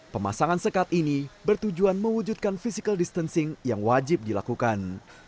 pemasangan sekat ini bertujuan mewujudkan physical distancing yang wajib dilakukan